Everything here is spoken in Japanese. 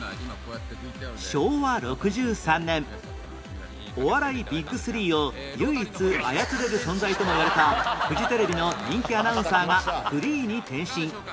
昭和６３年お笑い ＢＩＧ３ を唯一操れる存在ともいわれたフジテレビの人気アナウンサーがフリーに転身